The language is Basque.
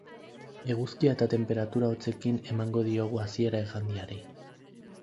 Eguzkia eta tenperatura hotzekin emango diogu hasiera igandeari.